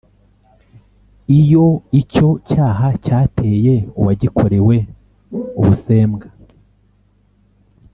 Iyo icyo cyaha cyateye uwagikorewe ubusembwa